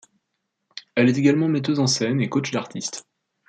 Elle est également metteuse en scène et coach d’artistes.